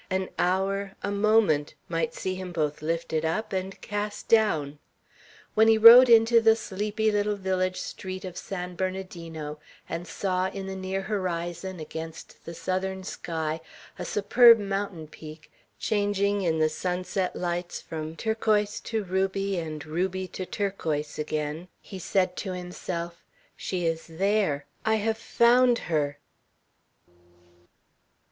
An hour, a moment, might see him both lifted up and cast down. When he rode into the sleepy little village street of San Bernardino, and saw, in the near horizon, against the southern sky, a superb mountain peak, changing in the sunset lights from turquoise to ruby, and from ruby to turquoise again, he said to himself, "She is there! I have found her!"